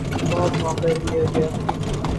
بہت موقع دیا گیا۔